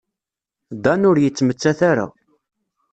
Dan ur yettmettat ara.